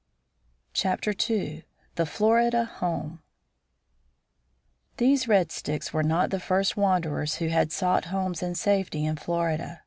II. THE FLORIDA HOME These Red Sticks were not the first wanderers who had sought homes and safety in Florida.